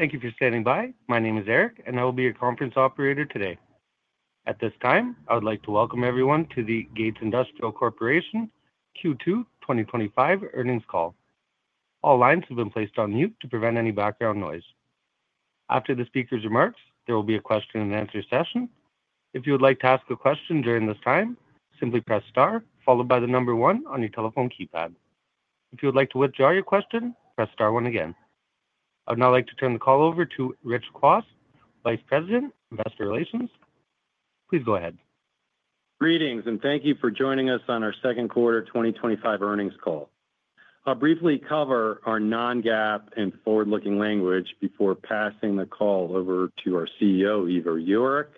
Thank you for standing by. My name is Eric, and I will be your conference operator today. At this time, I would like to welcome everyone to the Gates Industrial Corporation Q2 2025 earnings call. All lines have been placed on mute to prevent any background noise. After the speaker's remarks, there will be a question and answer session. If you would like to ask a question during this time, simply press star, followed by the number one on your telephone keypad. If you would like to withdraw your question, press star one again. I would now like to turn the call over to Rich Kwas, Vice President of Investor Relations. Please go ahead. Greetings, and thank you for joining us on our second quarter 2025 earnings call. I'll briefly cover our non-GAAP and forward-looking language before passing the call over to our CEO, Ivo Jurek.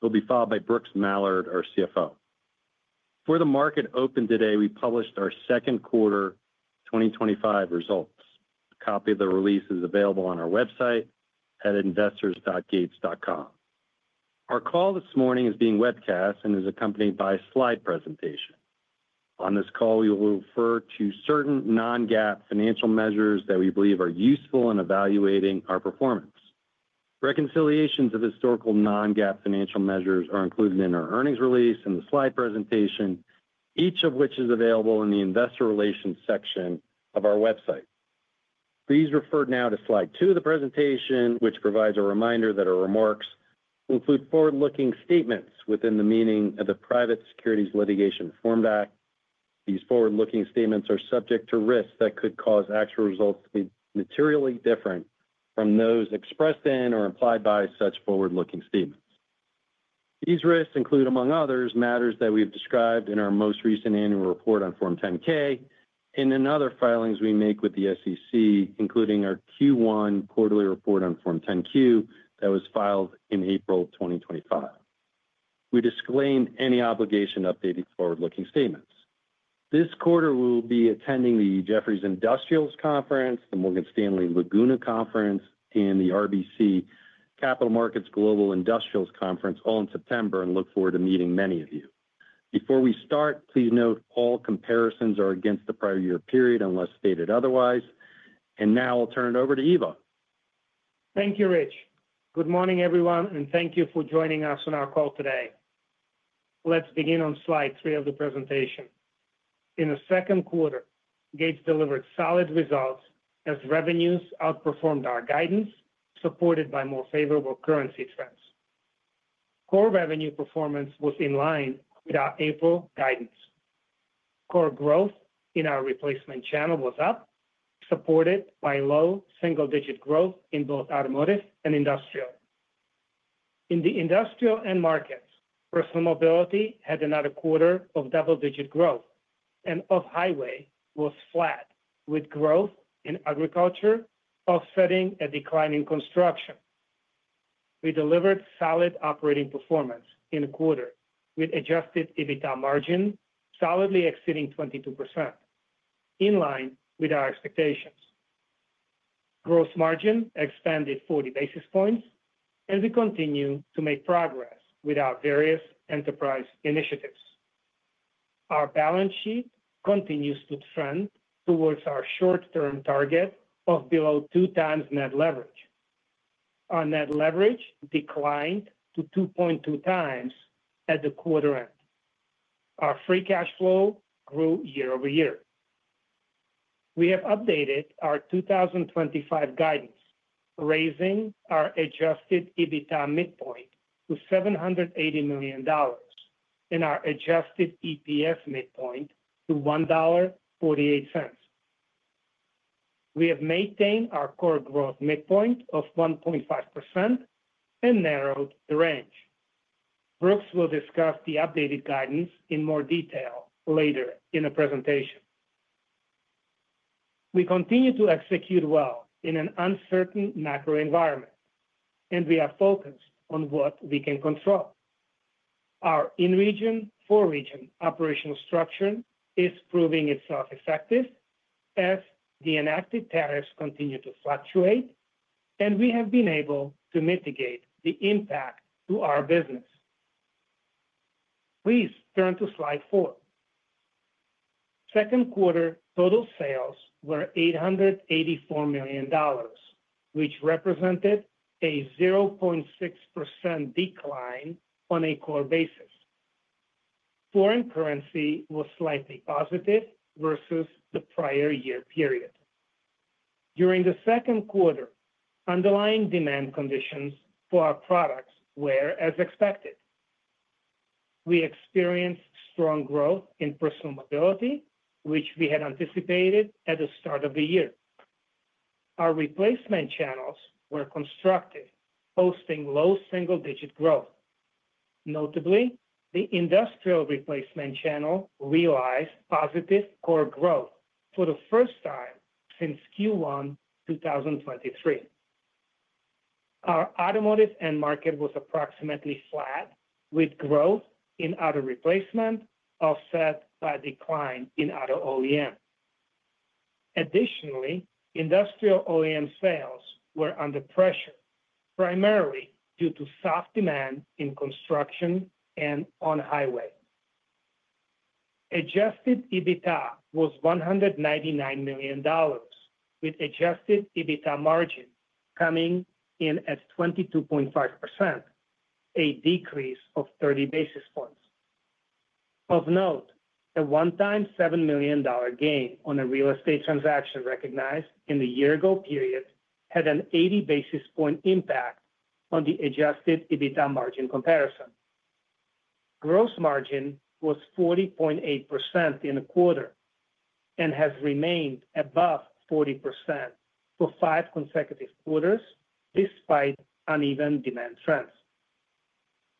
He'll be followed by Brooks Mallard, our CFO. For the market open today, we published our second quarter 2025 results. A copy of the release is available on our website at investors.gates.com. Our call this morning is being webcast and is accompanied by a slide presentation. On this call, we will refer to certain non-GAAP financial measures that we believe are useful in evaluating our performance. Reconciliations of historical non-GAAP financial measures are included in our earnings release and the slide presentation, each of which is available in the Investor Relations section of our website. Please refer now to slide two of the presentation, which provides a reminder that our remarks will include forward-looking statements within the meaning of the Private Securities Litigation Reform Act. These forward-looking statements are subject to risks that could cause actual results to be materially different from those expressed in or implied by such forward-looking statements. These risks include, among others, matters that we've described in our most recent annual report on Form 10-K and in other filings we make with the SEC, including our Q1 quarterly report on Form 10-Q that was filed in April 2025. We disclaim any obligation to update these forward-looking statements. This quarter, we will be attending the Jefferies Industrials Conference, the Morgan Stanley Laguna Conference, and the RBC Capital Markets Global Industrials Conference all in September and look forward to meeting many of you. Before we start, please note all comparisons are against the prior year period unless stated otherwise. Now I'll turn it over to Ivo. Thank you, Rich. Good morning, everyone, and thank you for joining us on our call today. Let's begin on slide three of the presentation. In the second quarter, Gates delivered solid results as revenues outperformed our guidance, supported by more favorable currency trends. Core revenue performance was in line with our April guidance. Core growth in our replacement channel was up, supported by low single-digit growth in both automotive and industrial. In the industrial end markets, personal mobility had another quarter of double-digit growth, and off-highway was flat, with growth in agriculture offsetting a decline in construction. We delivered solid operating performance in a quarter with adjusted EBITDA margin solidly exceeding 22%, in line with our expectations. Gross margin expanded 40 basis points, and we continue to make progress with our various enterprise initiatives. Our balance sheet continues to trend towards our short-term target of below two times net leverage. Our net leverage declined to 2.2 times at the quarter end. Our free cash flow grew year-over-year. We have updated our 2025 guidance, raising our adjusted EBITDA midpoint to $780 million and our adjusted EPS midpoint to $1.48. We have maintained our core growth midpoint of 1.5% and narrowed the range. Brooks will discuss the updated guidance in more detail later in the presentation. We continue to execute well in an uncertain macro environment, and we are focused on what we can control. Our in-region, for-region operational structure is proving itself effective as the enacted tariffs continue to fluctuate, and we have been able to mitigate the impact to our business. Please turn to slide four. Second quarter total sales were $884 million, which represented a 0.6% decline on a core basis. Foreign currency was slightly positive versus the prior year period. During the second quarter, underlying demand conditions for our products were as expected. We experienced strong growth in personal mobility, which we had anticipated at the start of the year. Our replacement channels were constructive, posting low single-digit growth. Notably, the industrial replacement channel realized positive core growth for the first time since Q1 2023. Our automotive end market was approximately flat, with growth in auto replacement offset by a decline in auto OEM. Additionally, industrial OEM sales were under pressure, primarily due to soft demand in construction and on-highway. Adjusted EBITDA was $199 million, with adjusted EBITDA margin coming in at 22.5%, a decrease of 30 basis points. Of note, a one-time $7 million gain on a real estate transaction recognized in the year-ago period had an 80 basis point impact on the adjusted EBITDA margin comparison. Gross margin was 40.8% in a quarter and has remained above 40% for five consecutive quarters despite uneven demand trends.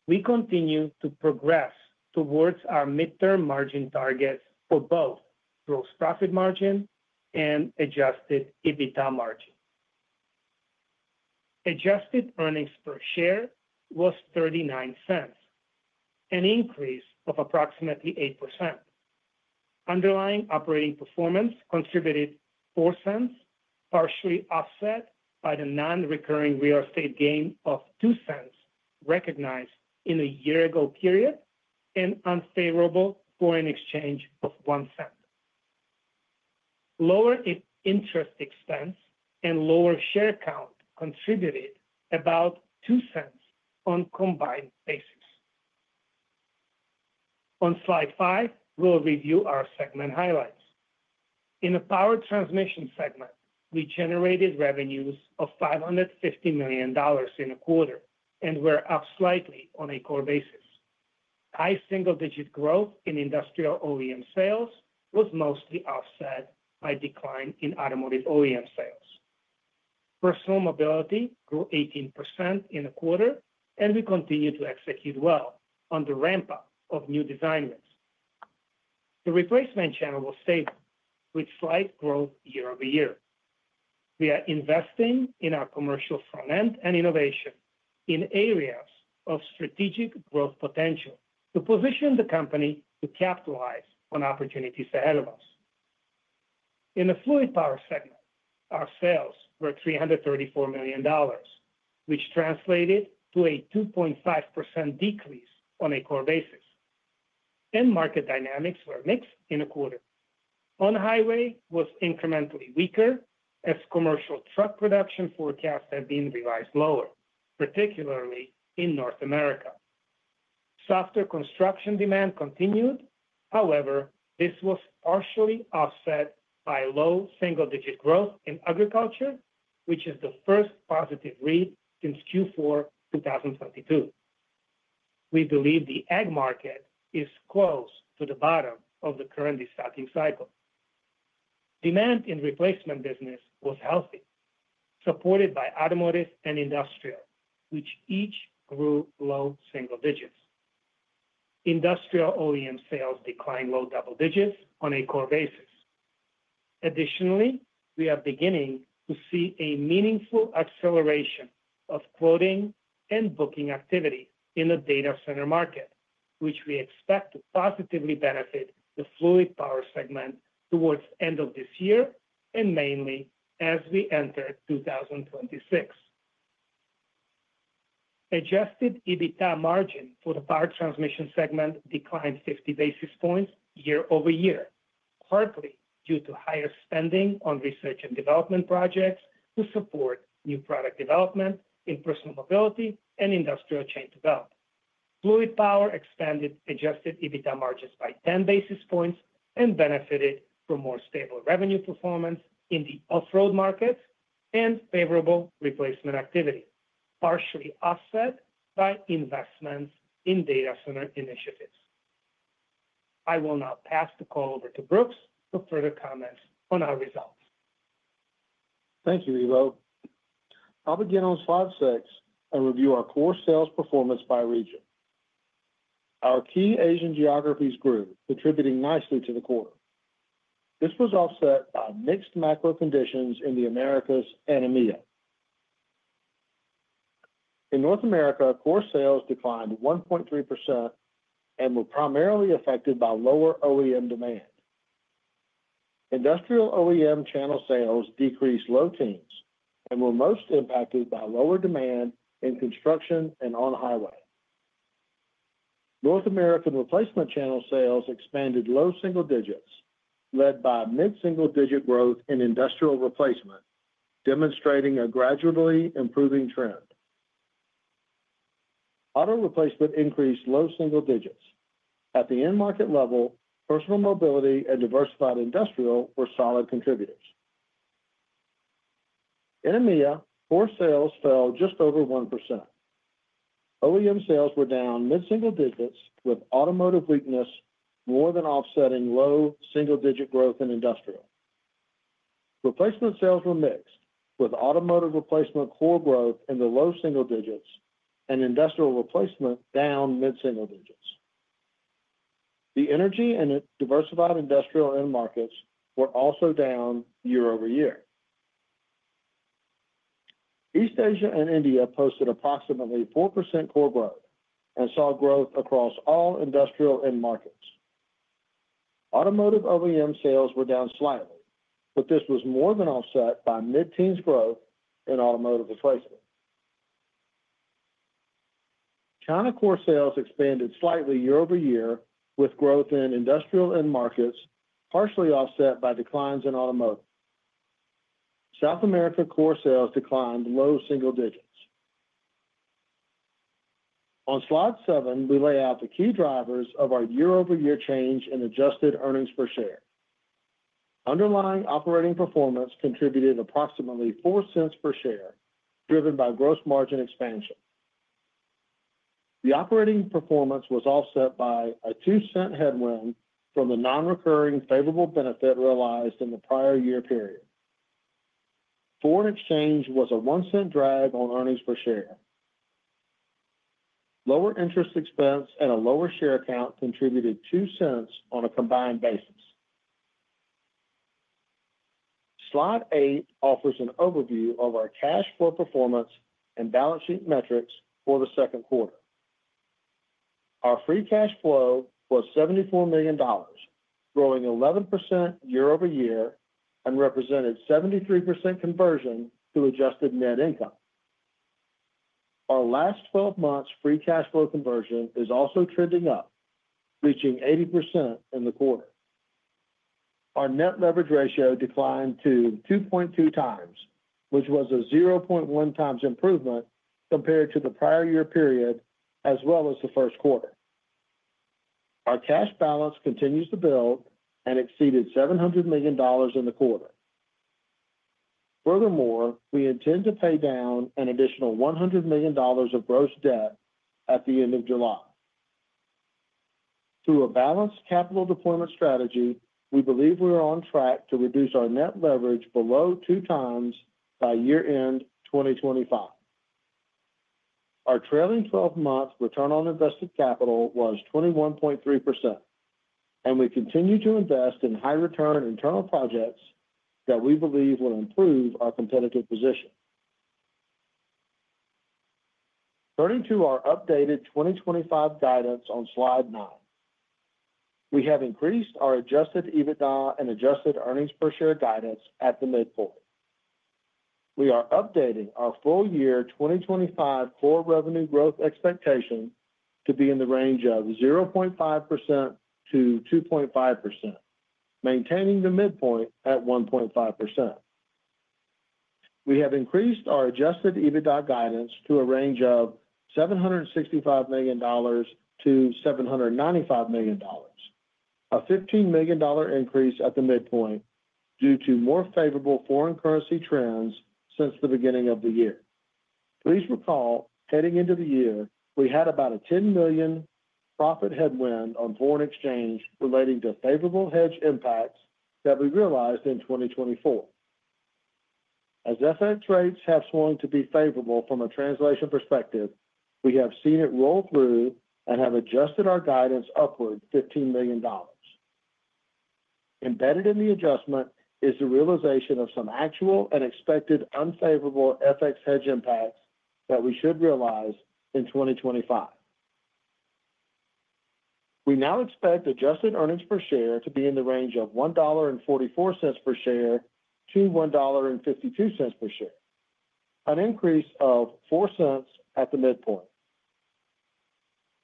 We continue to progress towards our midterm margin targets for both gross profit margin and adjusted EBITDA margin. Adjusted earnings per share was $0.39, an increase of approximately 8%. Underlying operating performance contributed $0.04, partially offset by the non-recurring real estate gain of $0.02 recognized in the year-ago period and unfavorable foreign exchange of $0.01. Lower interest expense and lower share count contributed about $0.02 on a combined basis. On slide five, we'll review our segment highlights. In the power transmission segment, we generated revenues of $550 million in a quarter and were up slightly on a core basis. High single-digit growth in industrial OEM sales was mostly offset by a decline in automotive OEM sales. Personal mobility grew 18% in a quarter, and we continue to execute well on the ramp-up of new design rates. The replacement channel was stable, with slight growth year-over-year. We are investing in our commercial front-end and innovation in areas of strategic growth potential to position the company to capitalize on opportunities ahead of us. In the fluid power segment, our sales were $334 million, which translated to a 2.5% decrease on a core basis. End market dynamics were mixed in a quarter. On-highway was incrementally weaker as commercial truck production forecasts had been realized lower, particularly in North America. Softer construction demand continued, however, this was partially offset by low single-digit growth in agriculture, which is the first positive read since Q4 2022. We believe the ag market is close to the bottom of the current discounting cycle. Demand in the replacement business was healthy, supported by automotive and industrial, which each grew low single digits. Industrial OEM sales declined low double digits on a core basis. Additionally, we are beginning to see a meaningful acceleration of quoting and booking activity in the data center market, which we expect to positively benefit the fluid power segment towards the end of this year and mainly as we enter 2026. Adjusted EBITDA margin for the power transmission segment declined 50 basis points year-over-year, partly due to higher spending on research and development projects to support new product development in personal mobility and industrial chain development. Fluid power expanded adjusted EBITDA margins by 10 basis points and benefited from more stable revenue performance in the off-road markets and favorable replacement activity, partially offset by investments in data center initiatives. I will now pass the call over to Brooks for further comments on our results. Thank you, Ivo. I'll begin on slide six and review our core sales performance by region. Our key Asian geographies grew, contributing nicely to the quarter. This was offset by mixed macro conditions in the Americas and EMEA. In North America, core sales declined 1.3% and were primarily affected by lower OEM demand. Industrial OEM channel sales decreased low teens and were most impacted by lower demand in construction and on-highway. North American replacement channel sales expanded low single digits, led by mid-single digit growth in industrial replacement, demonstrating a gradually improving trend. Auto replacement increased low single digits. At the end market level, personal mobility and diversified industrial were solid contributors. In EMEA, core sales fell just over 1%. OEM sales were down mid-single digits, with automotive weakness more than offsetting low single digit growth in industrial. Replacement sales were mixed, with automotive replacement core growth in the low single digits and industrial replacement down mid-single digits. The energy and diversified industrial end markets were also down year-over-year. East Asia and India posted approximately 4% core growth and saw growth across all industrial end markets. Automotive OEM sales were down slightly, but this was more than offset by mid-teens growth in automotive replacement. China core sales expanded slightly year-over-year, with growth in industrial end markets partially offset by declines in automotive. South America core sales declined low single digits. On slide seven, we lay out the key drivers of our year-over-year change in adjusted EPS. Underlying operating performance contributed approximately $0.04 per share, driven by gross margin expansion. The operating performance was offset by a $0.02 headwind from the non-recurring favorable benefit realized in the prior year period. Foreign exchange was a $0.01 drag on EPS. Lower interest expense and a lower share count contributed $0.02 on a combined basis. Slide eight offers an overview of our cash flow performance and balance sheet metrics for the second quarter. Our free cash flow was $74 million, growing 11% year-over-year and represented 73% conversion to adjusted net income. Our last 12 months' free cash flow conversion is also trending up, reaching 80% in the quarter. Our net leverage ratio declined to 2.2 times, which was a 0.1 times improvement compared to the prior year period, as well as the first quarter. Our cash balance continues to build and exceeded $700 million in the quarter. Furthermore, we intend to pay down an additional $100 million of gross debt at the end of July. Through a balanced capital deployment strategy, we believe we are on track to reduce our net leverage below 2 times by year-end 2025. Our trailing 12-month return on invested capital was 21.3%, and we continue to invest in high-return internal projects that we believe will improve our competitive position. Turning to our updated 2025 guidance on slide nine, we have increased our adjusted EBITDA and adjusted earnings per share guidance at the midpoint. We are updating our full-year 2025 core revenue growth expectation to be in the range of 0.5%-2.5%, maintaining the midpoint at 1.5%. We have increased our adjusted EBITDA guidance to a range of $765 million-$795 million, a $15 million increase at the midpoint due to more favorable foreign currency trends since the beginning of the year. Please recall, heading into the year, we had about a $10 million profit headwind on foreign exchange relating to favorable hedge impacts that we realized in 2024. As FX rates have swung to be favorable from a translation perspective, we have seen it roll through and have adjusted our guidance upward $15 million. Embedded in the adjustment is the realization of some actual and expected unfavorable FX hedge impacts that we should realize in 2025. We now expect adjusted earnings per share to be in the range of $1.44 per share to $1.52 per share, an increase of $0.04 at the midpoint.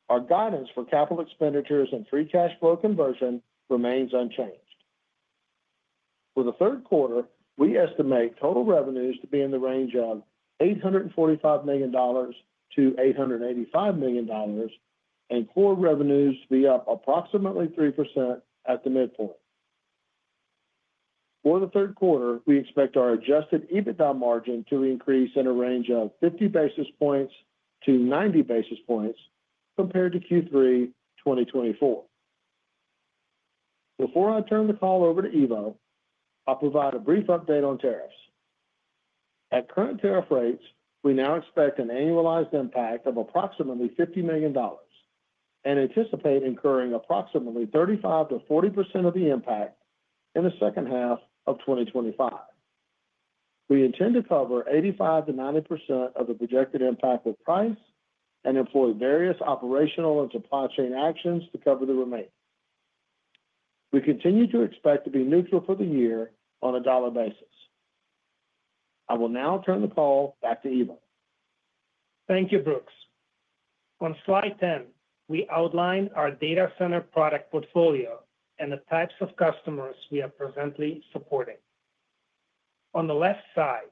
Our guidance for capital expenditures and free cash flow conversion remains unchanged. For the third quarter, we estimate total revenues to be in the range of $845 million-$885 million, and core revenues to be up approximately 3% at the midpoint. For the third quarter, we expect our adjusted EBITDA margin to increase in a range of 50 basis points to 90 basis points compared to Q3 2024. Before I turn the call over to Ivo, I'll provide a brief update on tariffs. At current tariff rates, we now expect an annualized impact of approximately $50 million and anticipate incurring approximately 35%-40% of the impact in the second half of 2025. We intend to cover 85%-90% of the projected impact with price and employ various operational and supply chain actions to cover the remaining. We continue to expect to be neutral for the year on a dollar basis. I will now turn the call back to Ivo. Thank you, Brooks. On slide 10, we outline our data center product portfolio and the types of customers we are presently supporting. On the left side,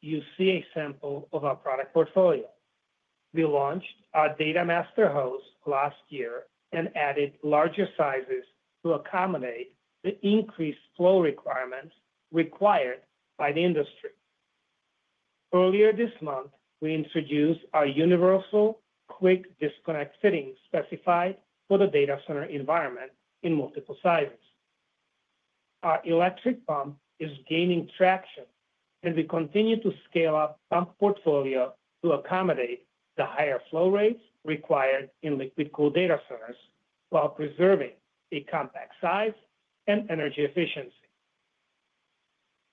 you see a sample of our product portfolio. We launched our Data Master hose last year and added larger sizes to accommodate the increased flow requirements required by the industry. Earlier this month, we introduced our universal quick disconnect fittings specified for the data center environment in multiple sizes. Our electric pumps are gaining traction, and we continue to scale up the pump portfolio to accommodate the higher flow rates required in liquid-cooled data centers while preserving a compact size and energy efficiency.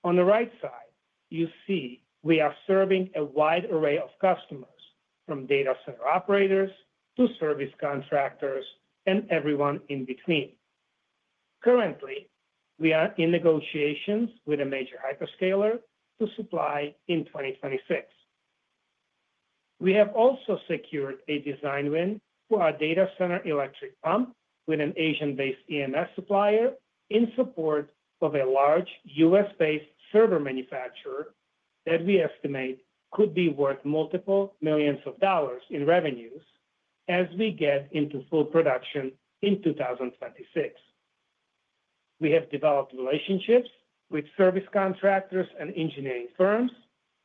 On the right side, you see we are serving a wide array of customers from data center operators to service contractors and everyone in between. Currently, we are in negotiations with a major hyperscaler to supply in 2026. We have also secured a design win for our data center electric pump with an Asian-based EMS supplier in support of a large U.S.-based server manufacturer that we estimate could be worth multiple millions of dollars in revenues as we get into full production in 2026. We have developed relationships with service contractors and engineering firms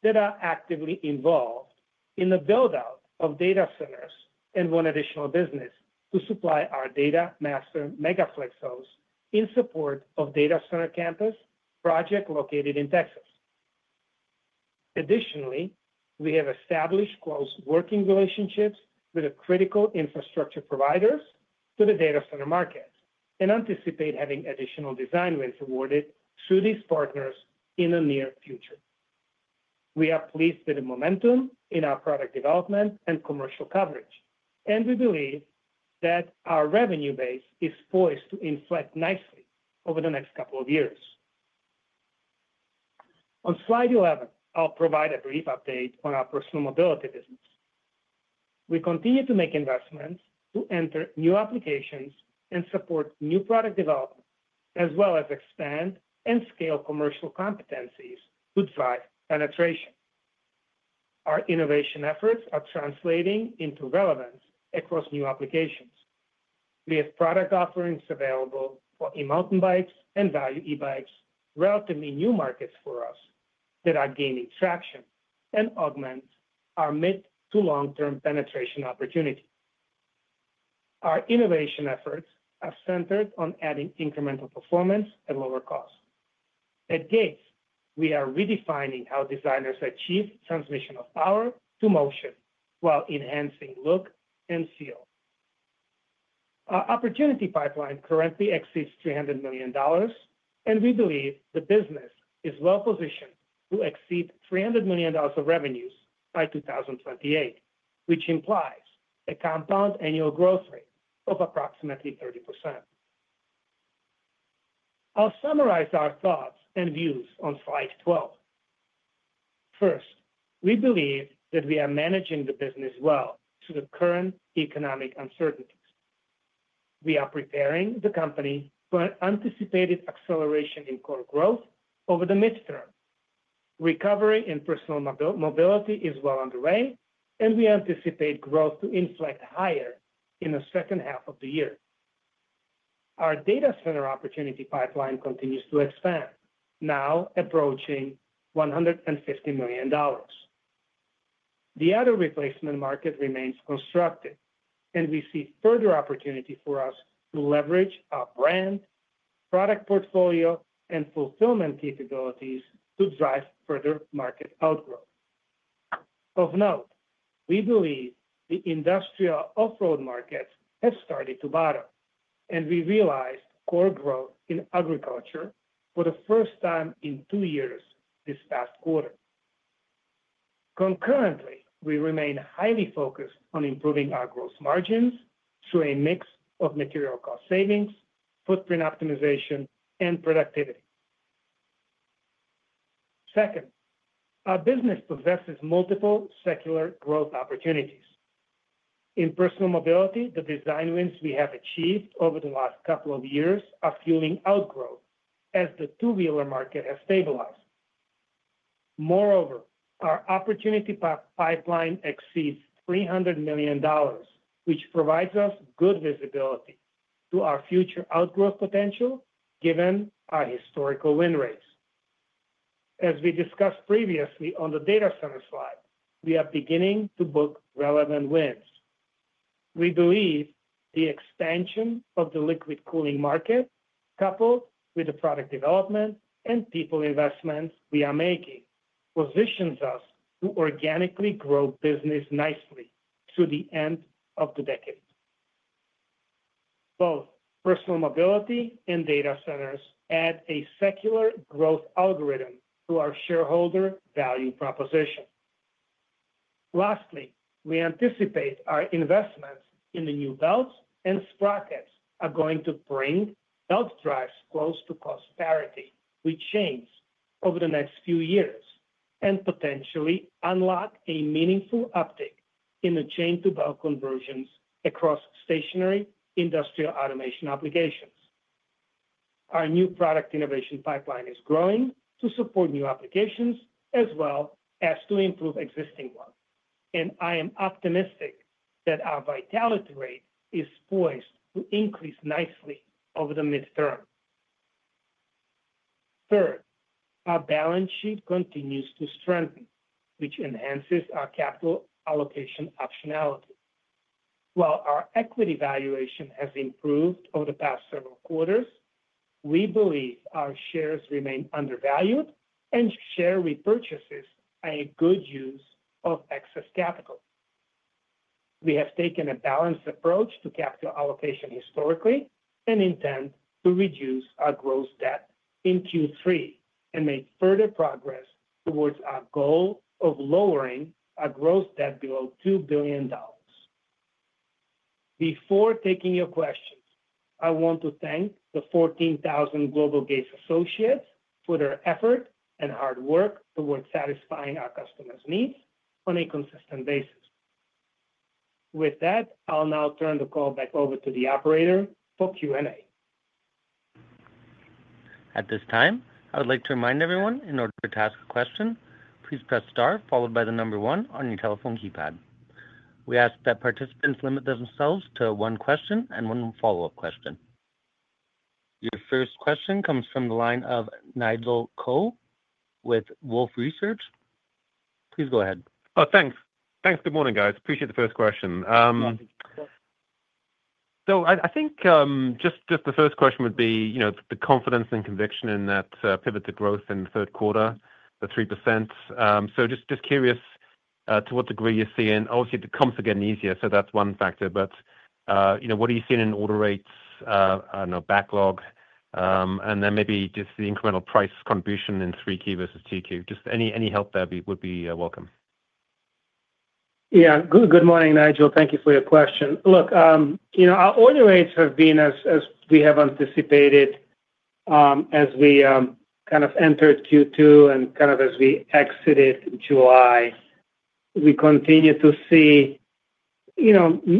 that are actively involved in the build-out of data centers and won additional business to supply our Data Master MegaFlex hose in support of a data center campus project located in Texas. Additionally, we have established close working relationships with critical infrastructure providers to the data center market and anticipate having additional design wins awarded through these partners in the near future. We are pleased with the momentum in our product development and commercial coverage, and we believe that our revenue base is poised to inflect nicely over the next couple of years. On slide 11, I'll provide a brief update on our personal mobility business. We continue to make investments to enter new applications and support new product development, as well as expand and scale commercial competencies to drive penetration. Our innovation efforts are translating into relevance across new applications. We have product offerings available for e-mountain bikes and value e-bikes in relatively new markets for us that are gaining traction and augment our mid-to-long-term penetration opportunity. Our innovation efforts are centered on adding incremental performance at lower cost. At Gates, we are redefining how designers achieve transmission of power to motion while enhancing look and feel. Our opportunity pipeline currently exceeds $300 million, and we believe the business is well-positioned to exceed $300 million of revenues by 2028, which implies a compound annual growth rate of approximately 30%. I'll summarize our thoughts and views on slide 12. First, we believe that we are managing the business well through the current economic uncertainties. We are preparing the company for an anticipated acceleration in core growth over the midterm. Recovery in personal mobility is well underway, and we anticipate growth to inflect higher in the second half of the year. Our data center opportunity pipeline continues to expand, now approaching $150 million. The other replacement market remains constructive, and we see further opportunity for us to leverage our brand, product portfolio, and fulfillment capabilities to drive further market outgrowth. Of note, we believe the industrial off-road markets have started to bottom, and we realized core growth in agriculture for the first time in two years this past quarter. Concurrently, we remain highly focused on improving our gross margins through a mix of material cost savings, footprint optimization, and productivity. Second, our business possesses multiple secular growth opportunities. In personal mobility, the design wins we have achieved over the last couple of years are fueling outgrowth as the two-wheeler market has stabilized. Moreover, our opportunity pipeline exceeds $300 million, which provides us good visibility to our future outgrowth potential given our historical win rates. As we discussed previously on the data center slide, we are beginning to book relevant wins. We believe the expansion of the liquid cooling market, coupled with the product development and people investments we are making, positions us to organically grow business nicely through the end of the decade. Both personal mobility and data centers add a secular growth algorithm to our shareholder value proposition. Lastly, we anticipate our investments in the new belts and sprockets are going to bring belt drives close to cost parity with chains over the next few years and potentially unlock a meaningful uptick in the chain-to-belt conversions across stationary industrial automation applications. Our new product innovation pipeline is growing to support new applications as well as to improve existing ones, and I am optimistic that our vitality rate is poised to increase nicely over the midterm. Third, our balance sheet continues to strengthen, which enhances our capital allocation optionality. While our equity valuation has improved over the past several quarters, we believe our shares remain undervalued and share repurchases are a good use of excess capital. We have taken a balanced approach to capital allocation historically and intend to reduce our gross debt in Q3 and make further progress towards our goal of lowering our gross debt below $2 billion. Before taking your questions, I want to thank the 14,000 Global Gates Associates for their effort and hard work towards satisfying our customers' needs on a consistent basis. With that, I'll now turn the call back over to the operator for Q&A. At this time, I would like to remind everyone, in order to ask a question, please press star followed by the number one on your telephone keypad. We ask that participants limit themselves to one question and one follow-up question. Your first question comes from the line of Nigel Coe with Wolfe Research. Please go ahead. Thanks. Good morning, guys. Appreciate the first question. I think just the first question would be the confidence and conviction in that pivot to growth in the third quarter, the 3%. I'm just curious to what degree you're seeing, obviously, the comps are getting easier, so that's one factor. What are you seeing in order rates, I don't know, backlog, and then maybe just the incremental price contribution in 3Q versus 2Q? Any help there would be welcome. Yeah. Good morning, Nigel. Thank you for your question. Look, our order rates have been, as we have anticipated, as we kind of entered Q2 and as we exited July, we continue to see a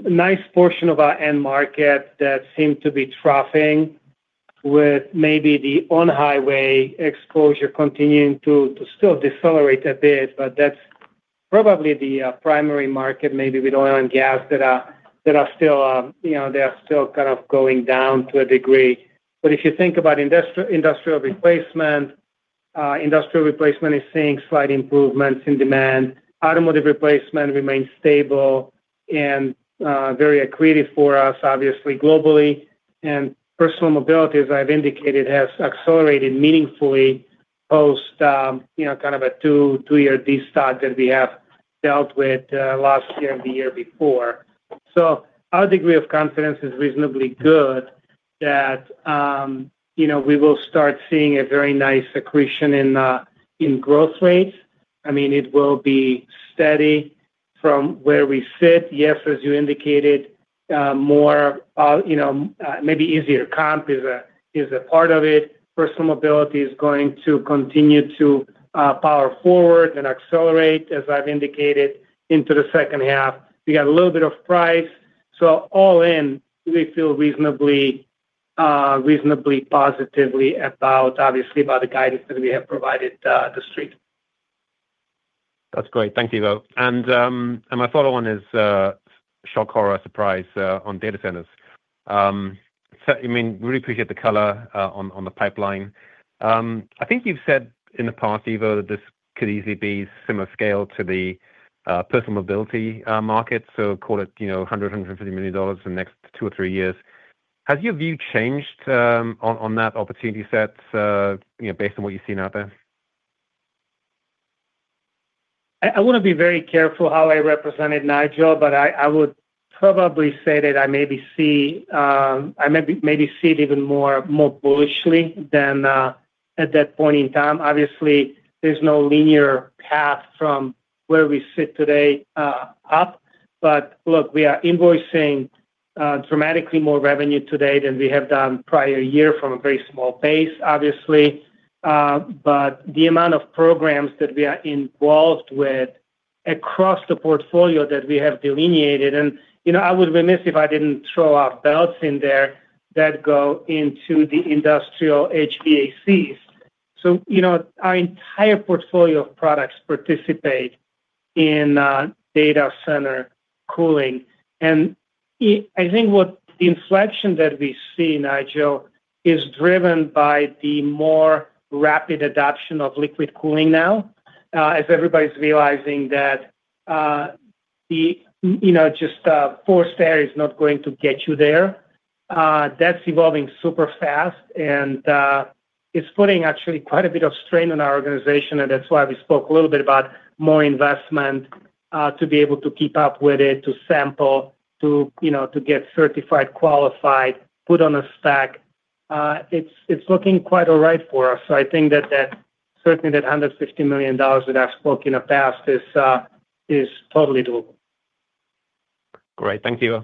nice portion of our end market that seemed to be troughing with maybe the on-highway exposure continuing to still decelerate a bit, but that's probably the primary market, maybe with oil and gas, that are still going down to a degree. If you think about industrial replacement, industrial replacement is seeing slight improvements in demand. Automotive replacement remains stable and very accretive for us, obviously, globally. Personal mobility, as I've indicated, has accelerated meaningfully post kind of a two-year de-stock that we have dealt with last year and the year before. Our degree of confidence is reasonably good that we will start seeing a very nice accretion in growth rates. It will be steady from where we sit. Yes, as you indicated, maybe easier comp is a part of it. Personal mobility is going to continue to power forward and accelerate, as I've indicated, into the second half. We got a little bit of price. All in, we feel reasonably, reasonably positively about, obviously, about the guidance that we have provided the street. That's great. Thank you, Ivo. My follow-on is, shock, horror, surprise, on data centers. I really appreciate the color on the pipeline. I think you've said in the past, Ivo, that this could easily be a similar scale to the personal mobility market. Call it, you know, $100 million, $150 million in the next two or three years. Has your view changed on that opportunity set, you know, based on what you've seen out there? I want to be very careful how I represent it, Nigel, but I would probably say that I maybe see it even more, more bullishly than at that point in time. Obviously, there's no linear path from where we sit today, up. We are invoicing dramatically more revenue today than we have done prior year from a very small pace, obviously, but the amount of programs that we are involved with across the portfolio that we have delineated, and you know, I would be remiss if I didn't throw our belts in there that go into the industrial HVACs. Our entire portfolio of products participate in data center cooling. I think what the inflection that we see, Nigel, is driven by the more rapid adoption of liquid cooling now, as everybody's realizing that just forced air is not going to get you there. That's evolving super fast, and it's putting actually quite a bit of strain on our organization. That's why we spoke a little bit about more investment, to be able to keep up with it, to sample, to get certified, qualified, put on a stack. It's looking quite all right for us. I think that certainly that $150 million that I spoke in the past is totally doable. Great. Thank you.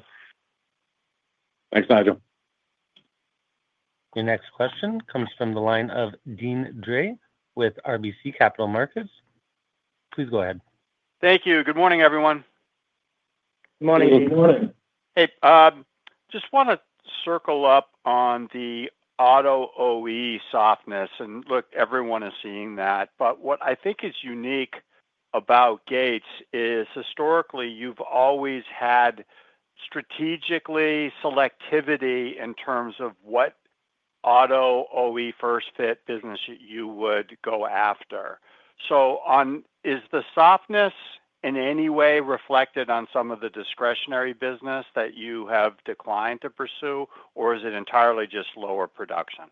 Thanks, Nigel. Your next question comes from the line of Deane Dray with RBC Capital Markets. Please go ahead. Thank you. Good morning, everyone. Good morning, Deane. Good morning. Hey, just want to circle up on the auto OE softness. Everyone is seeing that. What I think is unique about Gates is historically, you've always had strategic selectivity in terms of what auto OE first-fit business you would go after. Is the softness in any way reflected on some of the discretionary business that you have declined to pursue, or is it entirely just lower production?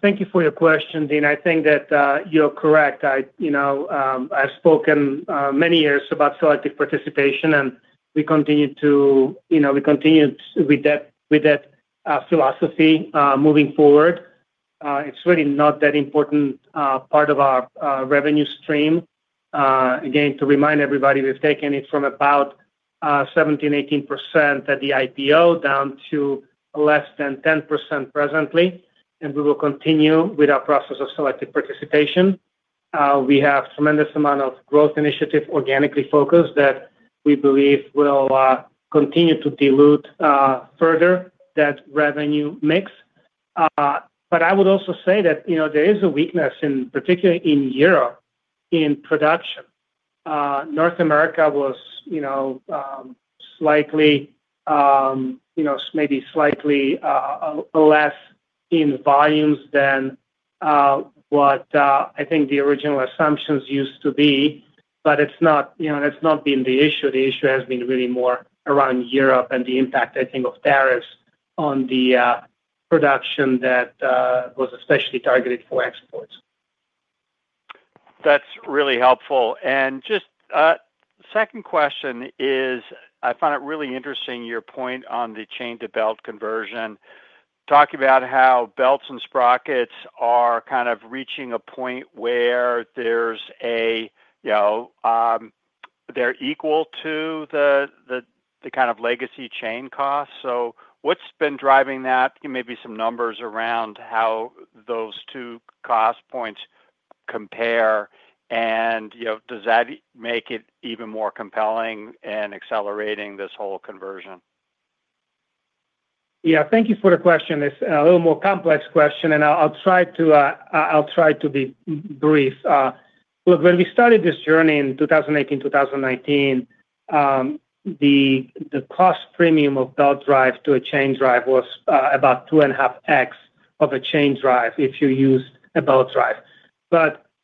Thank you for your question, Deane. I think that you're correct. I've spoken many years about selective participation, and we continue with that philosophy moving forward. It's really not that important part of our revenue stream. Again, to remind everybody, we've taken it from about 17, 18% at the IPO down to less than 10% presently, and we will continue with our process of selective participation. We have a tremendous amount of growth initiative organically focused that we believe will continue to dilute further that revenue mix. I would also say that there is a weakness, in particular in Europe, in production. North America was maybe slightly less in volumes than what I think the original assumptions used to be. It's not, that's not been the issue. The issue has been really more around Europe and the impact, I think, of tariffs on the production that was especially targeted for exports. That's really helpful. Just a second question is I found it really interesting, your point on the chain-to-belt conversion, talking about how belts and sprockets are kind of reaching a point where they're equal to the kind of legacy chain costs. What's been driving that? Maybe some numbers around how those two cost points compare. Does that make it even more compelling in accelerating this whole conversion? Yeah. Thank you for the question. It's a little more complex question, and I'll try to be brief. Look, when we started this journey in 2018, 2019, the cost premium of belt drive to a chain drive was about 2.5x of a chain drive if you used a belt drive.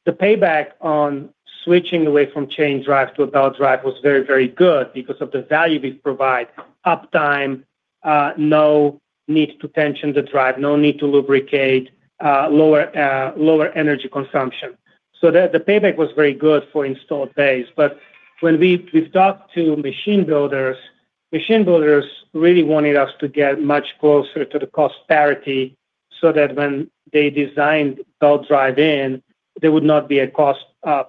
The payback on switching away from chain drive to a belt drive was very, very good because of the value we provide: uptime, no need to tension the drive, no need to lubricate, lower energy consumption. The payback was very good for installed bays. When we've talked to machine builders, machine builders really wanted us to get much closer to the cost parity so that when they designed belt drive-in, there would not be a cost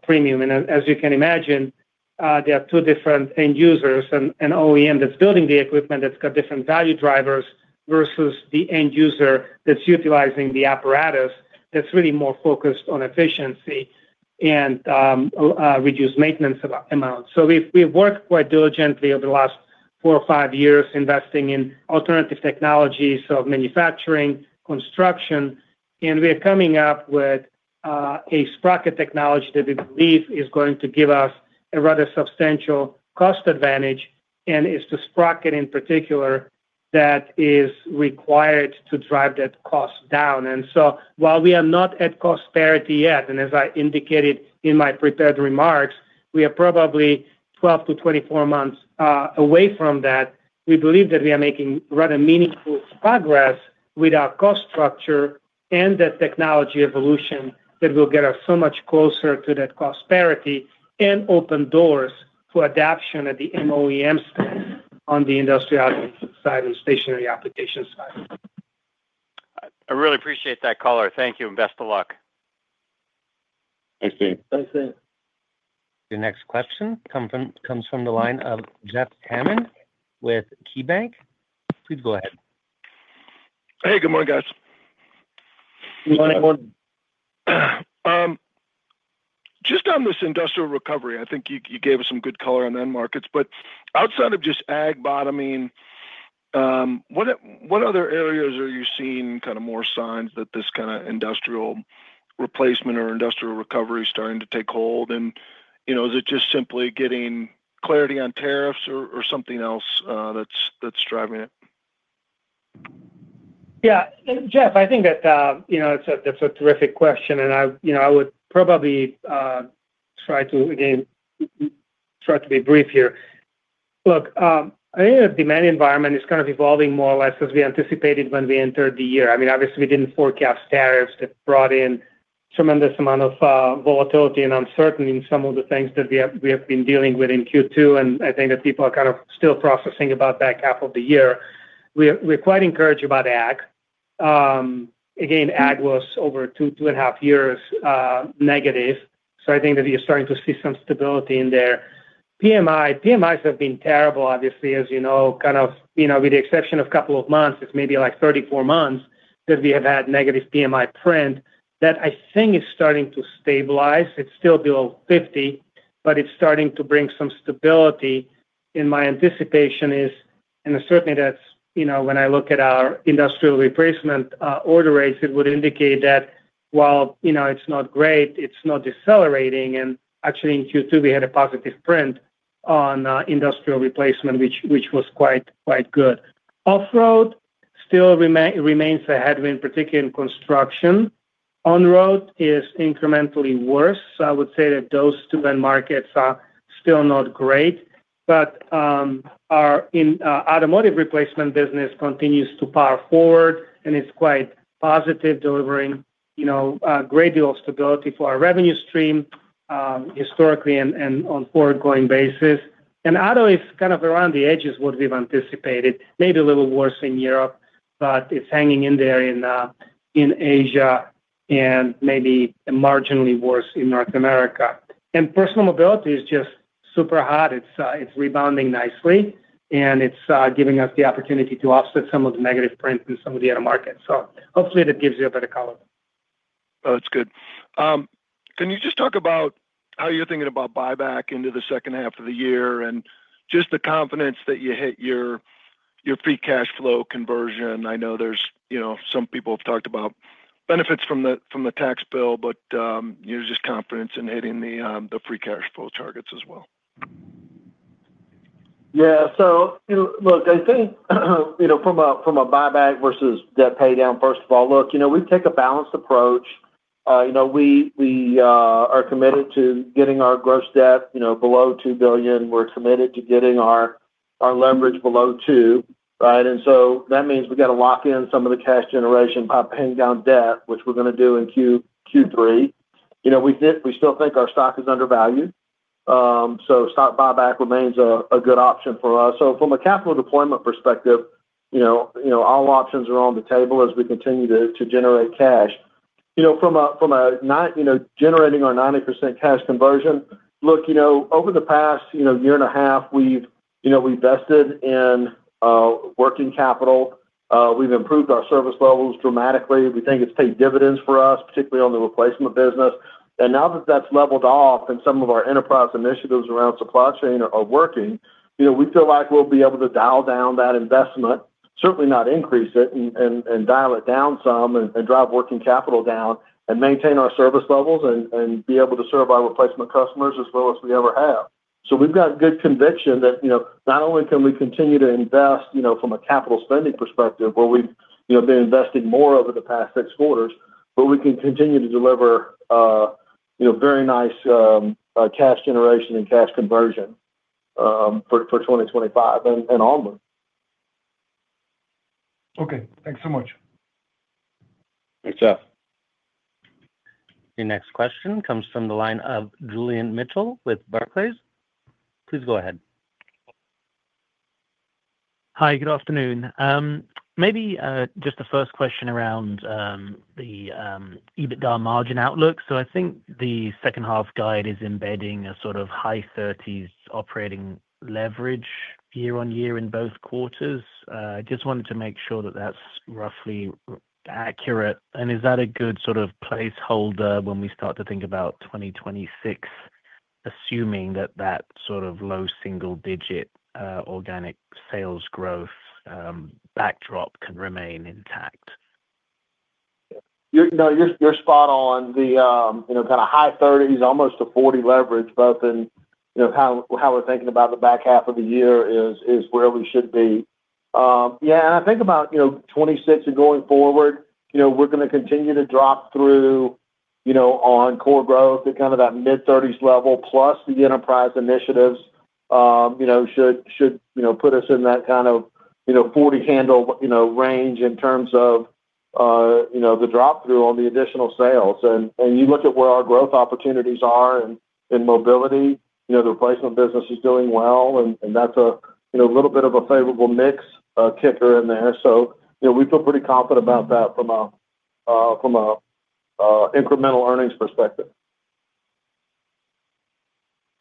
premium. As you can imagine, there are two different end users: an OEM that's building the equipment that's got different value drivers versus the end user that's utilizing the apparatus that's really more focused on efficiency and reduced maintenance amount. We've worked quite diligently over the last four or five years investing in alternative technologies of manufacturing, construction, and we are coming up with a sprocket technology that we believe is going to give us a rather substantial cost advantage and is the sprocket in particular that is required to drive that cost down. While we are not at cost parity yet, and as I indicated in my prepared remarks, we are probably 12 to 24 months away from that, we believe that we are making rather meaningful progress with our cost structure and the technology evolution that will get us so much closer to that cost parity and open doors to adoption at the end OEM stage on the industrial application side and stationary application side. I really appreciate that color. Thank you and best of luck. Thanks, Deane. Thanks, Deane. Your next question comes from the line of Jeff Hammond with KeyBanc Capital Markets. Please go ahead. Hey, good morning, guys. Good morning. Just on this industrial recovery, I think you gave us some good color on end markets. Outside of just ag bottoming, what other areas are you seeing more signs that this kind of industrial replacement or industrial recovery is starting to take hold? Is it just simply getting clarity on tariffs or something else that's driving it? Yeah. Jeff, I think that you know that's a terrific question. I would probably try to, again, try to be brief here. Look, I think the demand environment is kind of evolving more or less as we anticipated when we entered the year. Obviously, we didn't forecast tariffs that brought in a tremendous amount of volatility and uncertainty in some of the things that we have been dealing with in Q2. I think that people are kind of still processing about that half of the year. We're quite encouraged about ag. Again, ag was over two, two and a half years negative. I think that you're starting to see some stability in there. PMIs have been terrible, obviously, as you know, kind of, you know, with the exception of a couple of months, it's maybe like 34 months that we have had negative PMI print that I think is starting to stabilize. It's still below 50, but it's starting to bring some stability. My anticipation is, and certainly, that's, you know, when I look at our industrial replacement order rates, it would indicate that while, you know, it's not great, it's not decelerating. Actually, in Q2, we had a positive print on industrial replacement, which was quite, quite good. Off-road still remains ahead of it, particularly in construction. On-road is incrementally worse. I would say that those two end markets are still not great. Our automotive replacement business continues to power forward, and it's quite positive, delivering, you know, a great deal of stability for our revenue stream, historically and on a forward-going basis. Auto is kind of around the edge is what we've anticipated, maybe a little worse in Europe, but it's hanging in there in Asia and maybe marginally worse in North America. Personal mobility is just super hot. It's rebounding nicely, and it's giving us the opportunity to offset some of the negative print in some of the other markets. Hopefully, that gives you a better color. Oh, that's good. Can you just talk about how you're thinking about buyback into the second half of the year and just the confidence that you hit your free cash flow conversion? I know there's, you know, some people have talked about benefits from the tax bill, but, you know, just confidence in hitting the free cash flow targets as well. Yeah. Look, I think from a buyback versus debt paydown, first of all, we take a balanced approach. We are committed to getting our gross debt below $2 billion. We're committed to getting our leverage below 2, right? That means we have to lock in some of the cash generation by paying down debt, which we're going to do in Q3. We still think our stock is undervalued, so stock buyback remains a good option for us. From a capital deployment perspective, all options are on the table as we continue to generate cash. From a 90% cash conversion, over the past year and a half, we've invested in working capital. We've improved our service levels dramatically. We think it's paid dividends for us, particularly on the replacement business. Now that that's leveled off and some of our enterprise initiatives around supply chain are working, we feel like we'll be able to dial down that investment, certainly not increase it, and dial it down some and drive working capital down and maintain our service levels and be able to serve our replacement customers as well as we ever have. We've got good conviction that not only can we continue to invest from a capital spending perspective, where we've been investing more over the past six quarters, but we can continue to deliver very nice cash generation and cash conversion for 2025 and onward. Okay, thanks so much. Thanks, Jeff. Your next question comes from the line of Julian Mitchell with Barclays. Please go ahead. Hi. Good afternoon. Maybe, just a first question around the EBITDA margin outlook. I think the second half guide is embedding a sort of high 30% operating leverage year on year in both quarters. I just wanted to make sure that that's roughly accurate. Is that a good sort of placeholder when we start to think about 2026, assuming that that sort of low single-digit organic sales growth backdrop can remain intact? No, you're spot on. The high 30s, almost a 40 leverage, both in how we're thinking about the back half of the year, is where we should be. Yeah. I think about 2026 and going forward, we're going to continue to drop through on core growth at kind of that mid-30s level, plus the enterprise initiatives should put us in that kind of 40-handle range in terms of the drop-through on the additional sales. You look at where our growth opportunities are in mobility, the replacement business is doing well, and that's a little bit of a favorable mix kicker in there. We feel pretty confident about that from an incremental earnings perspective.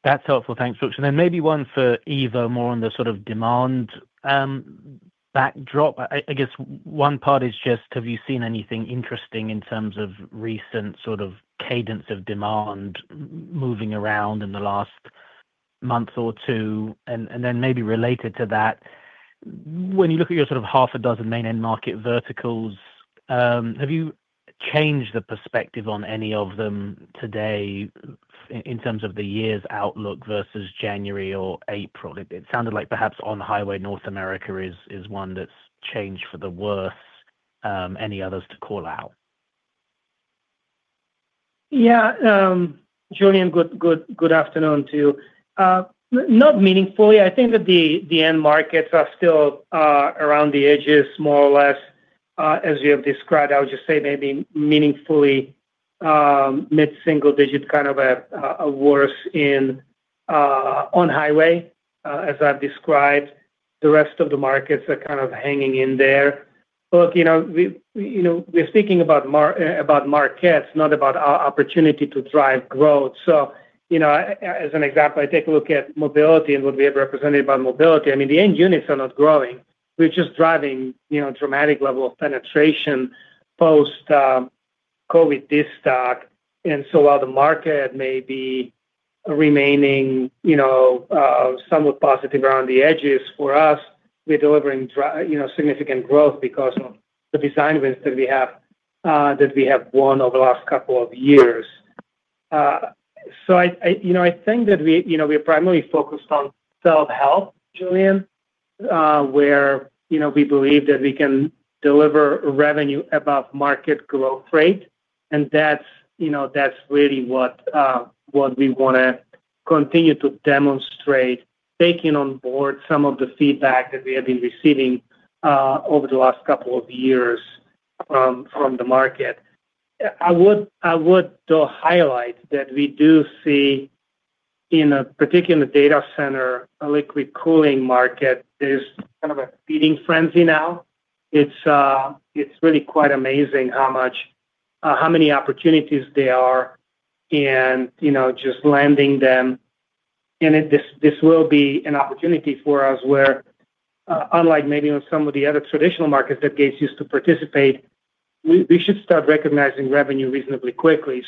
That's helpful. Thanks, Brooks. Maybe one for Ivo, more on the sort of demand backdrop. I guess one part is just, have you seen anything interesting in terms of recent sort of cadence of demand moving around in the last month or two? Maybe related to that, when you look at your sort of half a dozen main end market verticals, have you changed the perspective on any of them today in terms of the year's outlook versus January or April? It sounded like perhaps on-highway North America is one that's changed for the worst. Any others to call out? Yeah. Julian, good afternoon too. Not meaningfully. I think that the end markets are still, around the edges more or less, as you have described. I would just say maybe meaningfully, mid-single-digit kind of a worse in on-highway, as I've described. The rest of the markets are kind of hanging in there. Look, you know, we're speaking about markets, not about our opportunity to drive growth. As an example, I take a look at mobility and what we have represented about mobility. I mean, the end units are not growing. We're just driving a dramatic level of penetration post-COVID de-stock. While the market may be remaining somewhat positive around the edges for us, we're delivering significant growth because of the design wins that we have won over the last couple of years. I think that we are primarily focused on self-help, Julian, where we believe that we can deliver revenue above market growth rate. That's really what we want to continue to demonstrate, taking on board some of the feedback that we have been receiving over the last couple of years from the market. I would highlight that we do see in a particular data center, a liquid cooling market, there's kind of a feeding frenzy now. It's really quite amazing how many opportunities there are and just landing them. This will be an opportunity for us where, unlike maybe on some of the other traditional markets that Gates Industrial Corporation plc used to participate, we should start recognizing revenue reasonably quickly.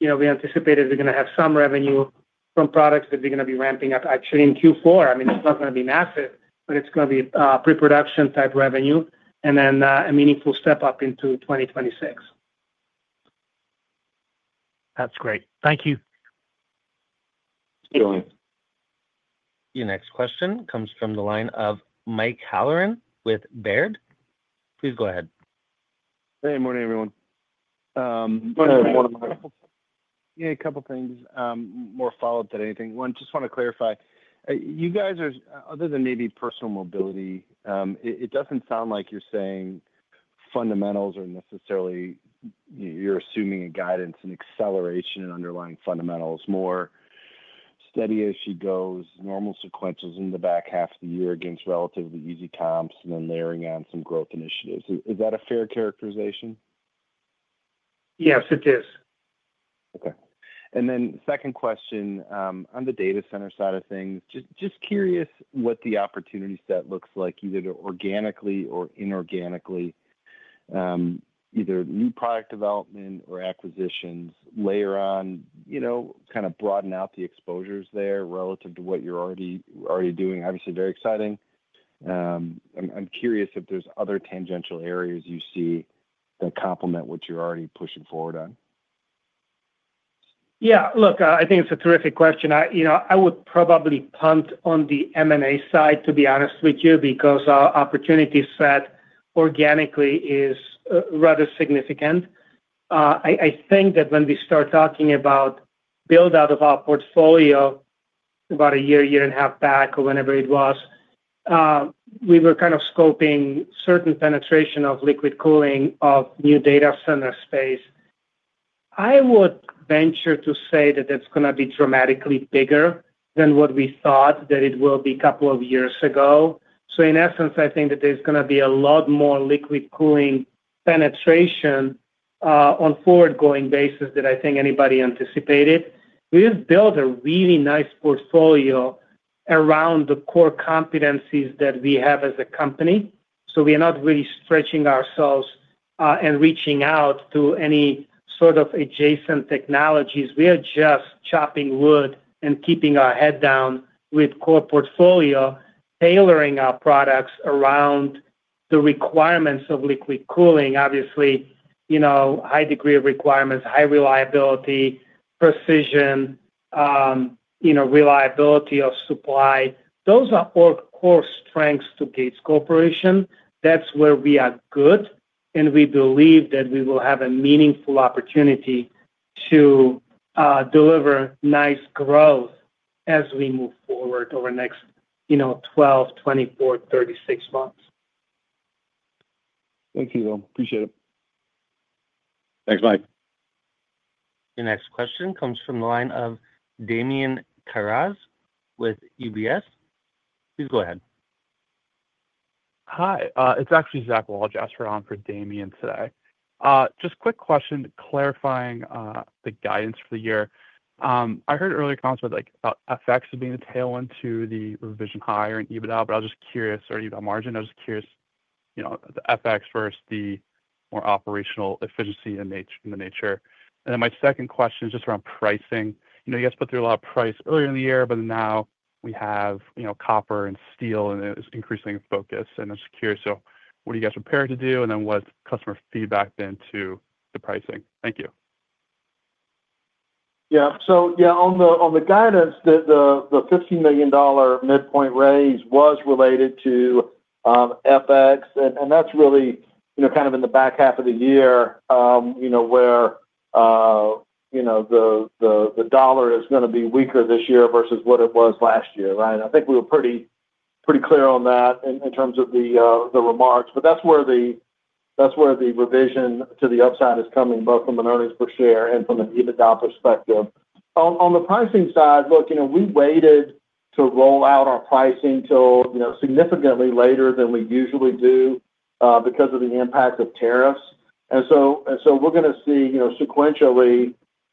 We anticipate that we're going to have some revenue from products that we're going to be ramping up actually in Q4. It's not going to be massive, but it's going to be pre-production type revenue and then a meaningful step up into 2026. That's great. Thank you. Thank you, Julian. Your next question comes from the line of Mike Halloran with Baird. Please go ahead. Hey, good morning, everyone. Morning. Yeah, a couple of things, more follow-up than anything. One, just want to clarify. You guys are, other than maybe personal mobility, it doesn't sound like you're saying fundamentals are necessarily, you know, you're assuming a guidance and acceleration and underlying fundamentals, more steady as she goes, normal sequentials in the back half of the year against relatively easy comps, and then layering on some growth initiatives. Is that a fair characterization? Yes, it is. Okay. On the data center side of things, just curious what the opportunity set looks like, either organically or inorganically, either new product development or acquisitions layer on, you know, kind of broaden out the exposures there relative to what you're already already doing. Obviously, very exciting. I'm curious if there's other tangential areas you see that complement what you're already pushing forward on. Yeah. Look, I think it's a terrific question. I would probably punt on the M&A side, to be honest with you, because our opportunity set organically is rather significant. I think that when we start talking about build-out of our portfolio about a year, year and a half back, or whenever it was, we were kind of scoping certain penetration of liquid cooling of new data center space. I would venture to say that it's going to be dramatically bigger than what we thought that it will be a couple of years ago. In essence, I think that there's going to be a lot more liquid cooling penetration on a forward-going basis that I think anybody anticipated. We just built a really nice portfolio around the core competencies that we have as a company. We are not really stretching ourselves and reaching out to any sort of adjacent technologies. We are just chopping wood and keeping our head down with core portfolio, tailoring our products around the requirements of liquid cooling. Obviously, high degree of requirements, high reliability, precision, reliability of supply. Those are our core strengths to Gates Industrial Corporation plc. That's where we are good. We believe that we will have a meaningful opportunity to deliver nice growth as we move forward over the next 12, 24, 36 months. Thank you, Ivo. Appreciate it. Thanks, Mike. Your next question comes from the line of Damian Karas with UBS. Please go ahead. Hi. It's actually Zach Walljasper. We're on for Damian today. Just a quick question clarifying the guidance for the year. I heard earlier comments about FX as being the tailwind to the revision higher in EBITDA, but I was just curious, you know, the FX versus the more operational efficiency in the nature. My second question is just around pricing. You guys put through a lot of price earlier in the year, but now we have copper and steel, and it's increasing in focus. I'm just curious, what are you guys prepared to do? What's customer feedback been to the pricing? Thank you. Yeah, on the guidance, the $15 million midpoint raise was related to FX. That's really in the back half of the year, where the dollar is going to be weaker this year versus what it was last year, right? I think we were pretty clear on that in terms of the remarks. That's where the revision to the upside is coming, both from an earnings per share and from an EBITDA perspective. On the pricing side, look, we waited to roll out our pricing till significantly later than we usually do because of the impact of tariffs.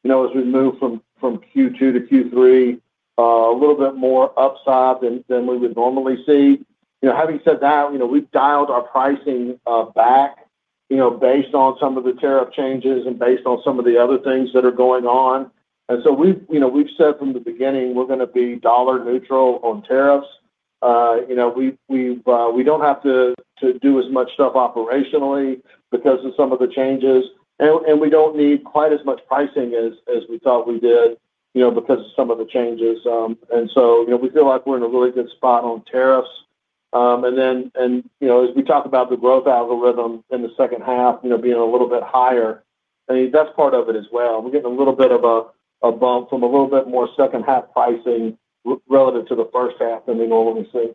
We're going to see, sequentially, as we move from Q2 to Q3, a little bit more upside than we would normally see. Having said that, we've dialed our pricing back based on some of the tariff changes and based on some of the other things that are going on. We've said from the beginning we're going to be dollar neutral on tariffs. We don't have to do as much stuff operationally because of some of the changes, and we don't need quite as much pricing as we thought we did because of some of the changes. We feel like we're in a really good spot on tariffs. As we talk about the growth algorithm in the second half being a little bit higher, I think that's part of it as well. We're getting a little bit of a bump from a little bit more second-half pricing relative to the first half than we normally see.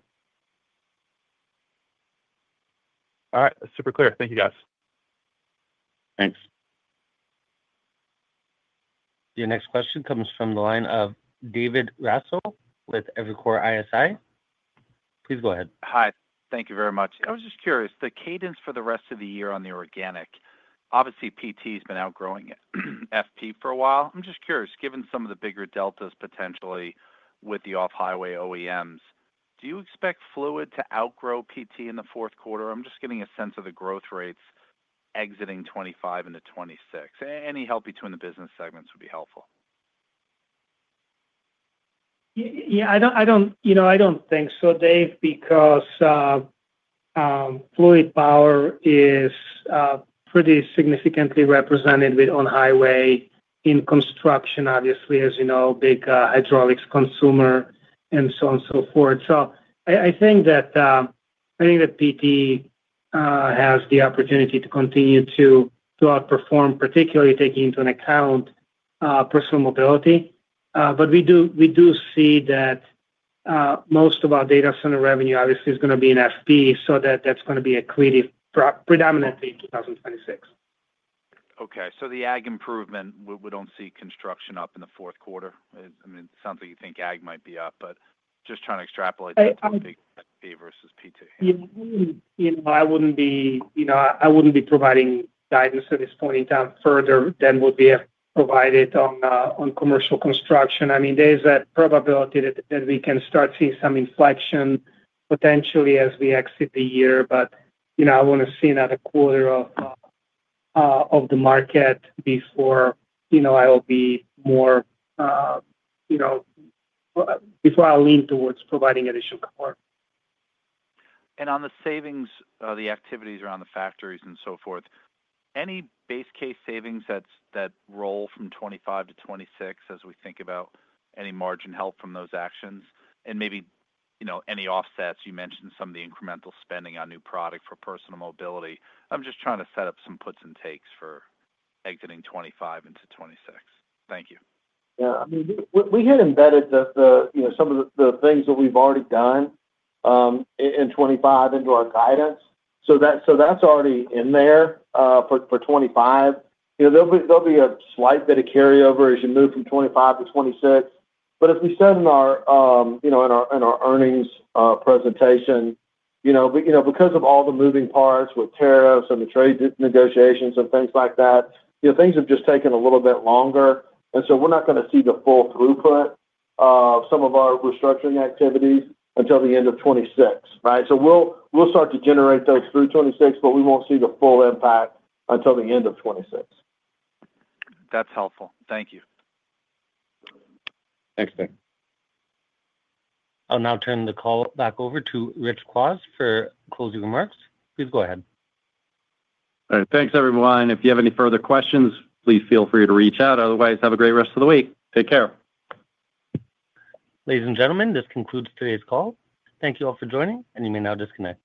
All right. That's super clear. Thank you, guys. Thanks. Your next question comes from the line of David Raso with Evercore ISI. Please go ahead. Hi. Thank you very much. I was just curious, the cadence for the rest of the year on the organic, obviously, PT has been outgrowing FP for a while. I'm just curious, given some of the bigger deltas potentially with the off-highway OEMs, do you expect Fluid to outgrow PT in the fourth quarter? I'm just getting a sense of the growth rates exiting 2025 into 2026. Any help between the business segments would be helpful. I don't think so, Dave, because Fluid Power is pretty significantly represented with on-highway in construction, obviously, as you know, a big hydraulics consumer and so on and so forth. I think that PT has the opportunity to continue to outperform, particularly taking into account personal mobility. We do see that most of our data center revenue, obviously, is going to be in FP, so that's going to be accretive predominantly in 2026. Okay. The ag improvement, we don't see construction up in the fourth quarter? It sounds like you think ag might be up, but just trying to extrapolate that to be versus PT. Yeah, I mean, I wouldn't be providing guidance at this point in time further than would be provided on commercial construction. I mean, there's that probability that we can start seeing some inflection potentially as we exit the year. I want to see another quarter of the market before I lean towards providing additional support. On the savings, the activities around the factories and so forth, any base case savings that roll from 2025 to 2026 as we think about any margin help from those actions? Maybe, you know, any offsets? You mentioned some of the incremental spending on new product for personal mobility. I'm just trying to set up some puts and takes for exiting 2025 into 2026. Thank you. Yeah. I mean, we had embedded some of the things that we've already done in 2025 into our guidance. That's already in there for 2025. There'll be a slight bit of carryover as you move from 2025 to 2026. As we said in our earnings presentation, because of all the moving parts with tariffs and the trade negotiations and things like that, things have just taken a little bit longer. We're not going to see the full throughput of some of our restructuring activities until the end of 2026, right? We'll start to generate those through 2026, but we won't see the full impact until the end of 2026. That's helpful. Thank you. Thanks, Dave. I'll now turn the call back over to Rich Kwas for closing remarks. Please go ahead. All right. Thanks, everyone. If you have any further questions, please feel free to reach out. Otherwise, have a great rest of the week. Take care. Ladies and gentlemen, this concludes today's call. Thank you all for joining, and you may now discontinue.